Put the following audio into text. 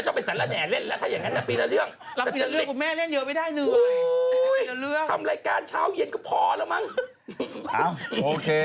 ทำรายการเช้าเย็นก็พอแล้วมั้ง